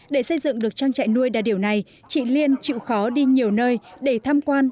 để xây dựng được trang trại nuôi đa điều này chị liên chịu khó đi nhiều nơi để tham quan